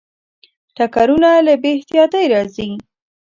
ټکرونه له بې احتیاطۍ راځي.